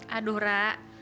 hah aduh ra